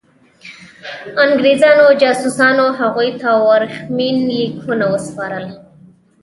انګرېزانو جاسوسانو هغوی ته ورېښمین لیکونه وسپارل.